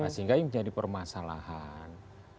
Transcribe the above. sehingga ini menjadi permasalahan